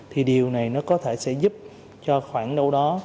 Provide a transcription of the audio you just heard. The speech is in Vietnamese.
thì điều này nó có thể sẽ giúp cho khoảng đâu đó